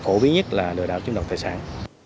phổ biến nhất là lừa đảo chứng đoạt tài sản